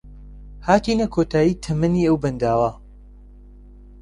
هاتینە کۆتایی تەمەنی ئەو بەنداوە